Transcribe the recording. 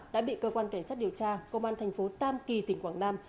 đã bị cơ quan cảnh sát điều tra công an thành phố tam kỳ tỉnh quảng nam